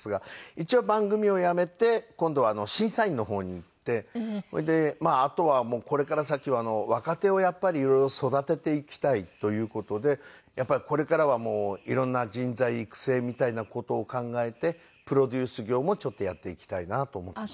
一応番組をやめて今度は審査員の方にいってそれであとはこれから先は若手をやっぱり色々育てていきたいという事でこれからはもう色んな人材育成みたいな事を考えてプロデュース業もちょっとやっていきたいなと思っています。